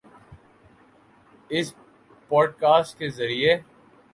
اس podcast کے ذریعے